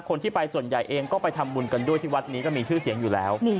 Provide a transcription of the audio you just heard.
คนที่ไปส่วนใหญ่เองก็ไปทำบุญกันด้วยที่วัดนี้ก็มีชื่อเสียงอยู่แล้ว